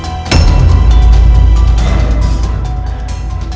tidak putraku pergi dari sini pergi